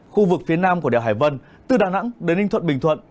khu vực phía nam của đèo hải vân từ đà nẵng đến ninh thuận bình thuận